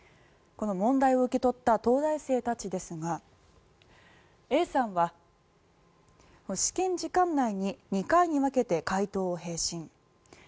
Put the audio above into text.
この問題を受け取った東大生たちですがＡさんは試験時間内に２回に分けて解答を返信。